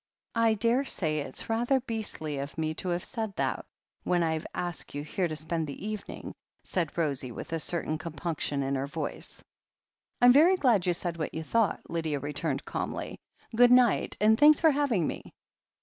"I daresay it's rather beastly of me to have said that, when I've asked you here to spend the evening," said Rosie with a certain compunction in her voice. r 174 THE HEEL OF ACHILLES "Fm very glad you said what you thought/' Lydia returned calmly. "Good night, and thanks for having me.